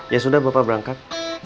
ya sudah bapak berangkat